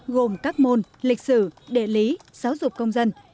gồm các môn lịch sử địa lý giáo dục công dân